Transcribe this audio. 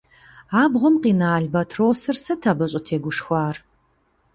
Абгъуэм къина албатросыр сыт абы щӀытегушхуар?